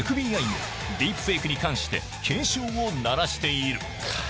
ＦＢＩも、ディープフェイクに関して警鐘を鳴らしている。